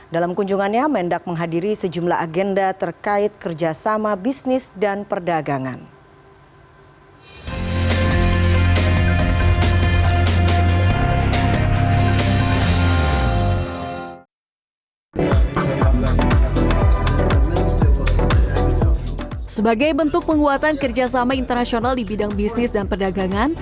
dalam kunjungannya mendak menghadiri sejumlah agenda terkait kerjasama bisnis dan perdagangan